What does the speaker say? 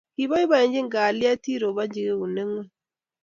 Kiboibochin kalyet irobochi eunek ngwony